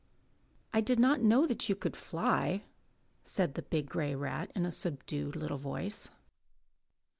"I did not know that you could fly," said the big grey rat in a subdued little voice.